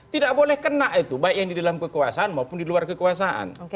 tidak boleh kena itu baik yang di dalam kekuasaan maupun di luar kekuasaan